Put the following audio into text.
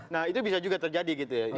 nah itu bisa juga terjadi